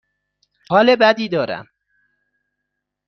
حال بدی دارم.